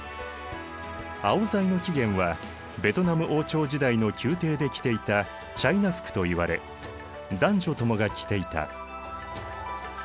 アオザイの起源はベトナム王朝時代の宮廷で着ていたチャイナ服といわれ男女ともが着ていた。